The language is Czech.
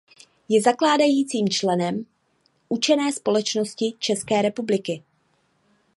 Je zakládajícím členem Učené společnosti České republiky.